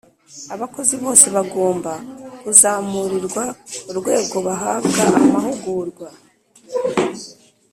Abakozi bose bagomba kuzamurirwa urwego bahabwa amahugurwa